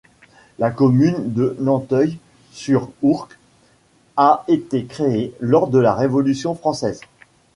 La commune de Nanteuil-sur-Ourcq a été créée lors de la Révolution française.